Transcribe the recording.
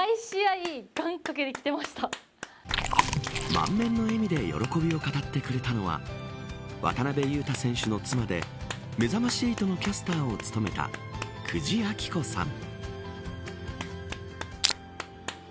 満面の笑みで喜びを語ってくれたのは渡邊雄太選手の妻でめざまし８のキャスターを務めた久慈暁子さん。